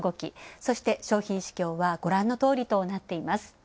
そして商品市況はご覧のとおりとなっています。